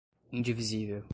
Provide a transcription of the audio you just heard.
indivisível